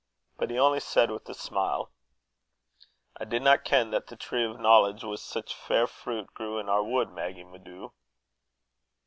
But he only said with a smile: "I didna ken that the tree o' knowledge, wi' sic fair fruit, grew in our wud, Maggy, my doo."